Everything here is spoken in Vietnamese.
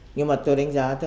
nhưng mà tôi đánh giá